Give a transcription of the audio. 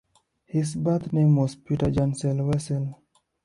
His birth name was Peter Jansen Wessel.